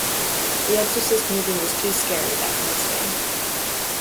The Exorcist movie was too scary back in its day.